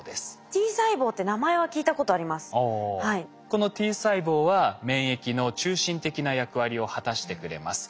このＴ細胞は免疫の中心的な役割を果たしてくれます。